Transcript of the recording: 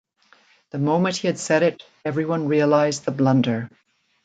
The moment he had said it every one realized the blunder.